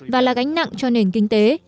và là gánh nặng cho nền kinh tế